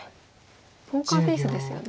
ポーカーフェースですよね。